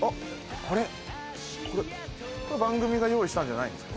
これ番組が用意したんじゃないんですか？